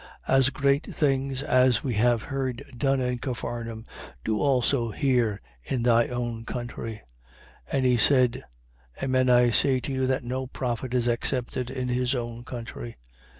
As great things as we have heard done in Capharnaum, do also here in thy own country. 4:24. And he said: Amen I say to you that no prophet is accepted in his own country.